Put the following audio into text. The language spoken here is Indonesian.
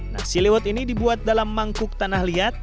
nasi liwet ini dibuat dalam mangkuk tanah liat atau clay pot